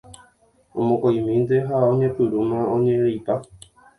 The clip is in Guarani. Omokõ'imínte ha oñepyrũma oñe'ẽreipa.